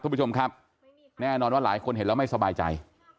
คุณผู้ชมครับแน่นอนว่าหลายคนเห็นแล้วไม่สบายใจ